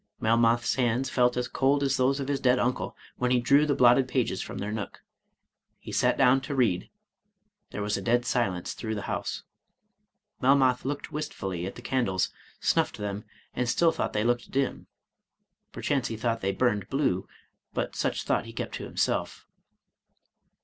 Melmoth's hands felt as cold as those of his dead uncle, when he drew the blotted pages from their nook. He sat down to read, — ^there was a dead silence through the house. Melmoth looked wistfully at the candles, snuffed them, and still thought they looked dim, (perchance he thought they burned blue, but such thought he kept to himself).